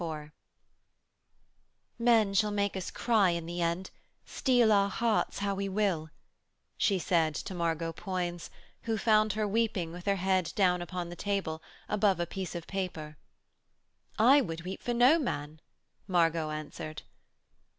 IV 'Men shall make us cry, in the end, steel our hearts how we will,' she said to Margot Poins, who found her weeping with her head down upon the table above a piece of paper. 'I would weep for no man,' Margot answered.